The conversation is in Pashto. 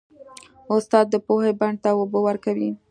استاد د پوهې بڼ ته اوبه ورکوي.